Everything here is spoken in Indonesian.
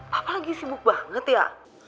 papa lagi sibuk banget ya